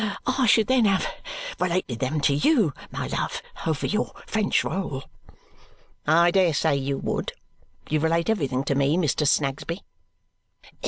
"I should then have related them to you, my love, over your French roll." "I dare say you would! You relate everything to me, Mr. Snagsby."